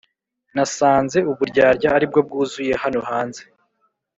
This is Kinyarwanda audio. nasanze uburyarya aribwo bwuzuye hano hanze